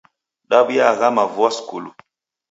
Daw'iaghama vua skulu.